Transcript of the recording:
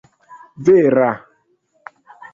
vera